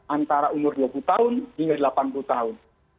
antara umur dua puluh tahun hingga delapan puluh tahun